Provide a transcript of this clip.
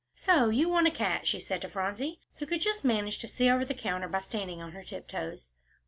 "So you want a cat?" she said to Phronsie, who could just manage to see over the counter by standing on her tiptoes.